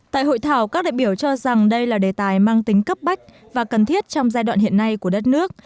tại hội thảo các đại biểu cho rằng đây là đề tài mang tính cấp bách và cần thiết trong giai đoạn hiện nay của đất nước